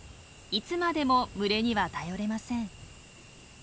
いつまでも群れには頼れません。